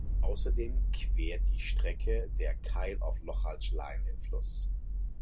Außerdem quert die Strecke der Kyle of Lochalsh Line den Fluss.